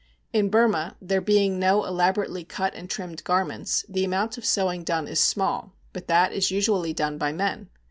In Burma, there being no elaborately cut and trimmed garments, the amount of sewing done is small, but that is usually done by men.